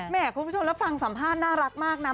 คุณผู้ชมแล้วฟังสัมภาษณ์น่ารักมากนะ